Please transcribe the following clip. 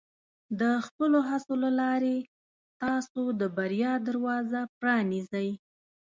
د خپلو هڅو له لارې، تاسو د بریا دروازه پرانیزئ.